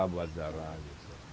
buat zara gitu